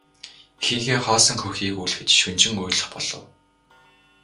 Эхийнхээ хоосон хөхийг үлгэж шөнөжин уйлах болов.